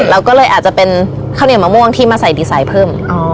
เราก็เลยอาจจะเป็นข้าวเหนียวมะม่วงที่มาใส่ดีไซน์เพิ่ม